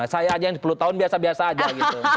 saya aja yang sepuluh tahun biasa biasa aja gitu